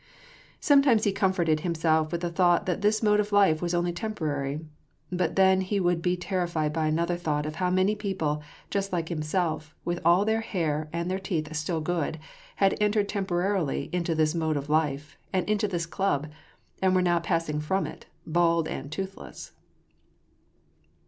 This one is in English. Sometimes he comforted himself with the thought that this mode of life was only temporary ; but then he would be terri fied by another thought of how many people, just like himself, with all their hair, and their teeth stUl good, had entered tem porarily into this mode of life, and into this club, and were now passing from it, bald and toothless.